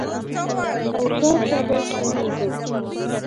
او ښار ته به ستنېږم